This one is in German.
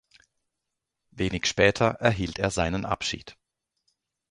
Wenig später erhielt er seinen Abschied.